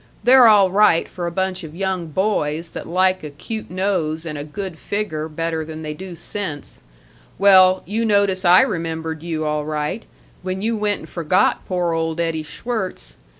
They're all right for a bunch of young boys that like a cute nose and a good figger better than they do sense Well, you notice I remembered you, all right, when you went and forgot poor old Eddie Schwirtz.